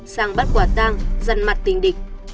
sang bắt quả tang dằn mặt tình địch